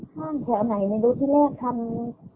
ข้างแถวไหนไม่รู้ที่แรกทำ